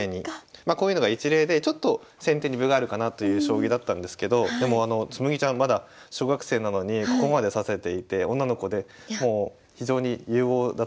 まあこういうのが一例でちょっと先手に分があるかなという将棋だったんですけどでもあの紬ちゃんまだ小学生なのにここまで指せていて女の子でもう非常に有望だと思います。